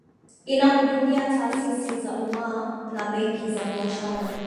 inahudumia taasisi za umma na benki za biashara